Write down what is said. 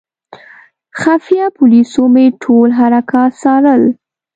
خفیه پولیسو مې ټول حرکات څارل.